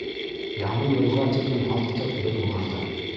Яңы йылға тиклем һаттыҡ беҙ уларҙы!